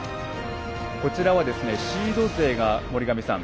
こちらはシード勢が森上さん